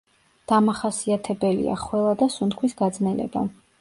დამახასიათებელია ხველა და სუნთქვის გაძნელება.